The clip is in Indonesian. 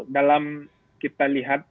dalam kita lihat